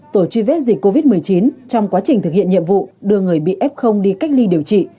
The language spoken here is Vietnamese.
tổ truy vết dịch covid một mươi chín trong quá trình thực hiện nhiệm vụ đưa người bị f đi cách ly điều trị